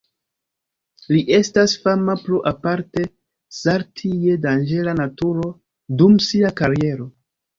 Li estas fama pro aparte salti je danĝera naturo dum sia kariero.